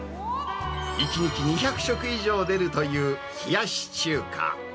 １日２００食以上出るという、冷やし中華。